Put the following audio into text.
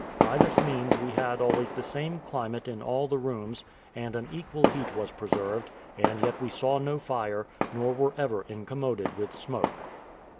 By this means we had always the same climate in all the rooms, and an equal heat was preserved, and yet we saw no fire, nor were ever incommoded with smoke.